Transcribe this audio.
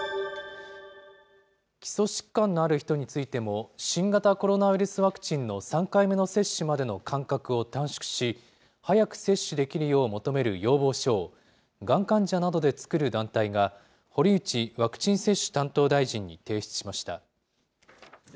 基礎疾患のある人についても、新型コロナウイルスワクチンの３回目の接種までの間隔を短縮し、早く接種できるよう求める要望書を、がん患者などで作る団体が、堀内ワクチン接種担当大臣に提出しました。